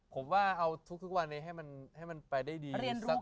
ผมว่าเอาทุกวันนี้ให้มันไปได้ดีสัก